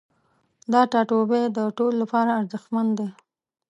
دا ټاتوبی د ټولو لپاره ارزښتمن دی